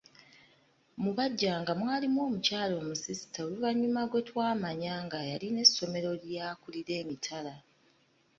Mu bajjanga mwalimu omukyala omusisita oluvannyuma gwe twamanya nga yalina essomero ly'akulira emitala.